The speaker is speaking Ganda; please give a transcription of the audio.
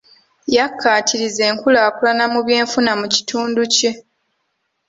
Yakkaatiriza enkulaakulana mu byenfuna mu kitundu kye.